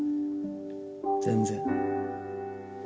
全然。